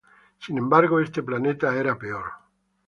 Sin embargo, este planeta era peor.